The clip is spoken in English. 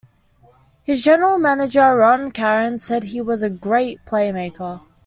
His General Manager Ron Caron said he was A great playmaker.